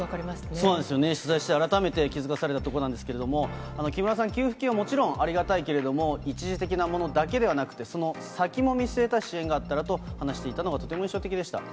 そうですよね、取材して改めて気付かされたところなんですけれども、木村さん、給付金はもちろんありがたいけれども、一時的なものだけではなくて、その先も見据えた支援があったらと話していたのがとても印象的でした。